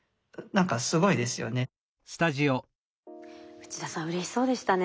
内田さんうれしそうでしたね。